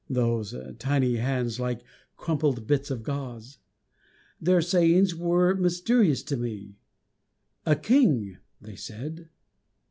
(Those tiny hands like crumpled bits of gauze) Their sayings were mysterious to me. "A King!" they said.